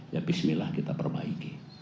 ya bismillah kita perbaiki